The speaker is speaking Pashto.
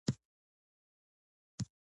د فزیک مطالعه د حیرانتیا لامل کېږي.